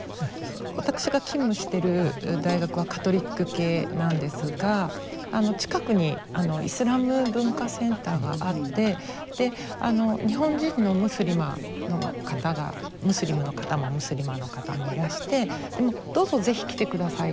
私が勤務している大学はカトリック系なんですが近くにイスラム文化センターがあって日本人のムスリマの方がムスリムの方もムスリマの方もいらしてどうぞ是非来て下さいと。